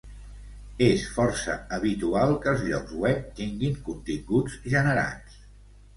És força habitual que els llocs web tinguin continguts generats.